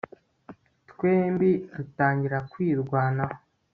twembi dutangira kwirwanaho